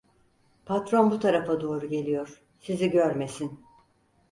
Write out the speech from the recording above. Patron bu tarafa doğru geliyor, sizi görmesin.